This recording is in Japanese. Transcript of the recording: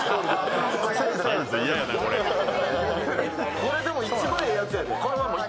これ、でも、一番ええやつやで。